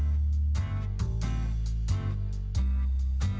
aku bukan cerita bokeh